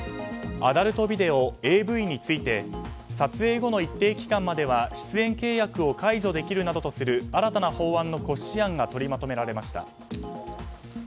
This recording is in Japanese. アダルトビデオ・ＡＶについて撮影後の一定期間までは出演契約を解除できるなどとする新たな法案の骨子案が取りまとめられました。